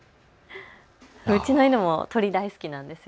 うちの犬も鳥、大好きなんですよ。